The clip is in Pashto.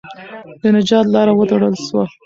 د نجات لاره وتړل سوه.